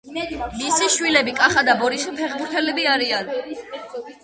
მისი შვილები, კახა და ბორისი ფეხბურთელები არიან.